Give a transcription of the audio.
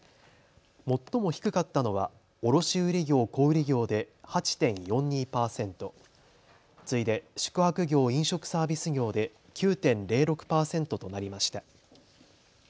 最も低かったのは卸売業・小売業で８．４２％、次いで宿泊業・飲食サービス業で９．０６％となりました。